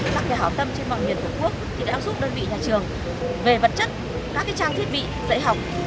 các nhà hảo tâm trên mọi miền tổ quốc đã giúp đơn vị nhà trường về vật chất các trang thiết bị dạy học